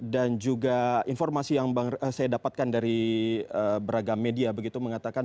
dan juga informasi yang saya dapatkan dari beragam media begitu mengatakan